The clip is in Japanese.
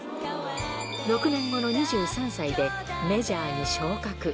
６年後の２３歳でメジャーに昇格。